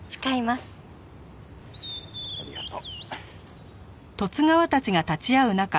ありがとう。